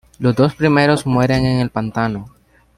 Los dos primeros mueren en el pantano.